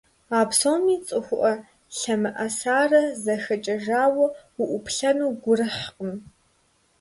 А псоми цӀыхуӀэ лъэмыӀэсарэ зэхэкӀэжауэ уӀуплъэну гурыхькъым.